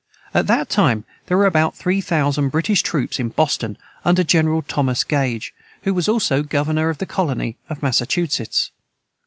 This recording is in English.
At that time there were about three thousand British troops in Boston, under General Thomas Gage, who was also governor of the colony of Massachusetts.